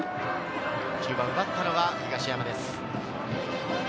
中盤、奪ったのは東山です。